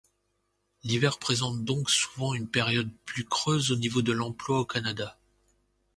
L'hiver représente donc souvent une période plus creuse au niveau de l'emploi au Canada.